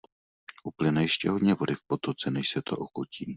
Uplyne ještě hodně vody v potoce, než se to okotí.